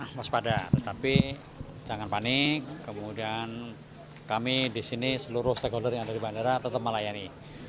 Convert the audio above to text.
waspada tetapi jangan panik kemudian kami di sini seluruh stakeholder yang ada di bandara tetap melayani